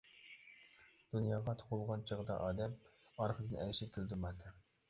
دۇنياغا تۇغۇلغان چېغىدا ئادەم، ئارقىدىن ئەگىشىپ كېلىدۇ ماتەم.